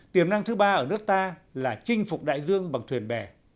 tiềm năng thứ ba ở nước ta là chinh phục đại dương bằng thuyền bè